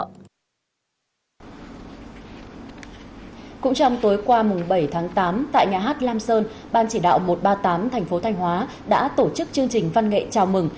cũng trong tối qua bảy tám tại nhà hát lam sơn ban chỉ đạo một trăm ba mươi tám tp thanh hóa đã tổ chức chương trình văn nghệ chào mừng